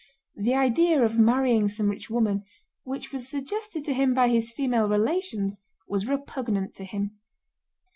The idea of marrying some rich woman, which was suggested to him by his female relations, was repugnant to him.